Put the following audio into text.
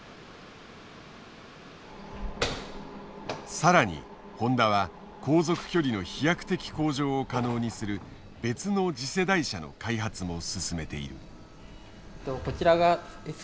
さらにホンダは航続距離の飛躍的向上を可能にする別の次世代車の開発も進めている。